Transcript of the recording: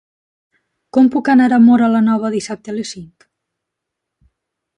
Com puc anar a Móra la Nova dissabte a les cinc?